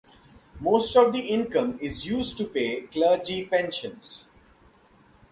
Most of the income is used to pay clergy pensions.